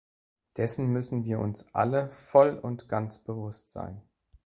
Dessen müssen wir uns alle voll und ganz bewusst sein.